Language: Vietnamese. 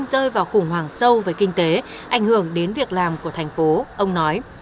tp hcm rơi vào khủng hoảng sâu với kinh tế ảnh hưởng đến việc làm của thành phố ông nói